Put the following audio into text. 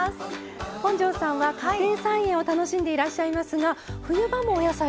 本上さんは家庭菜園を楽しんでいらっしゃいますが冬場もお野菜育てているんですか？